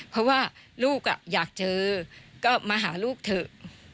เพราะว่าลูกอยากเจอก็มาหาลูกเถอะ